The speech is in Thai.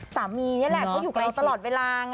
สามีนี่แหละเขาอยู่กับเราตลอดเวลา